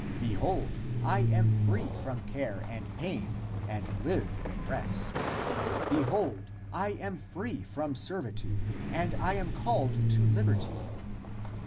Behold, I am free from care and pain and live in rest. Behold, I am free from servitude and I am called to liberty.